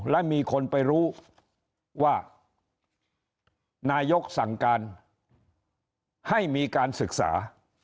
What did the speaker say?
และมีคนไปรู้ว่านายกสั่งการให้มีการศึกษา